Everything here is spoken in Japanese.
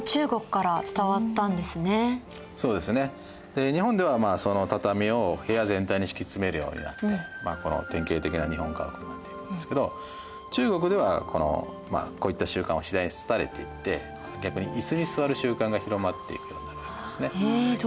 で日本ではその畳を部屋全体に敷き詰めるようになってこの典型的な日本家屋になっていきますけど中国ではこういった習慣は次第に廃れていって逆に椅子に座る習慣が広まっていくようになるわけですね。